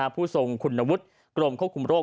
ผู้ทรงคุณวุฒิกรมควบคุมโรค